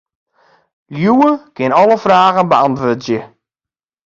Liuwe kin alle fragen beäntwurdzje.